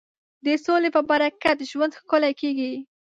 د سولې په برکت ژوند ښکلی کېږي.